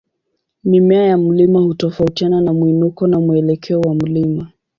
Mimea ya mlima hutofautiana na mwinuko na mwelekeo wa mlima.